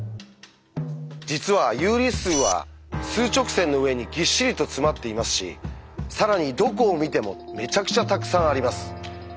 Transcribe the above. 実は有理数は数直線の上にぎっしりと詰まっていますし更にどこを見てもめちゃくちゃたくさんあります。